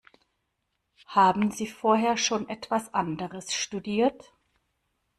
Haben Sie vorher schon etwas anderes studiert?